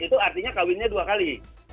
itu artinya kawinnya dua kali